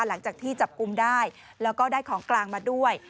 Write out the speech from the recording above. หลังจากที่จับกลุ่มได้แล้วก็ได้ของกลางมาด้วย